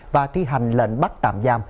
và thi hành lệnh bắt tạm giam